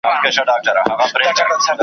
هیڅوک پوه نه سول جنګ د چا وو توري چا راوړي .